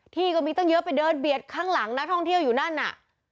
ที่ก็มีตั้งเยอะไปเดินเบียดข้างหลังนักท่องเที่ยวอยู่นั่นน่ะ